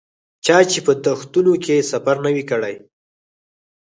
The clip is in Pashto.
چا چې په دښتونو کې سفر نه وي کړی.